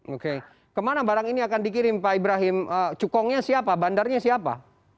oke kemana barang ini akan dikirim pak ibrahim cukongnya siapa bandarnya siapa